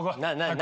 何？